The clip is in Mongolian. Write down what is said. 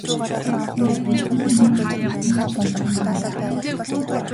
Тэр ч байтугай их ирээдүйтэй цөөн хэдэн инженерийн нэг.